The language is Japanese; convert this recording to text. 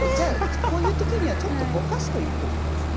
こういう時にはちょっとぼかすといいと思うんですね。